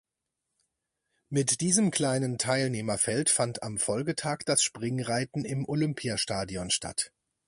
Mit diesem kleinen Teilnehmerfeld fand am Folgetag das Springreiten im Olympiastadion statt.